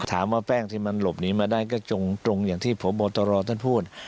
ถามว่าแป้งที่มันหลบหนีมาได้ก็จงตรงอย่างที่พบตรท่านพูด